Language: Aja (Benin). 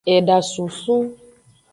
Eda sunsun.